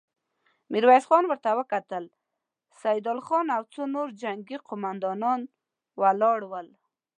ميرويس خان ور وکتل، سيدال خان او څو نور جنګي قوماندان ولاړ ول.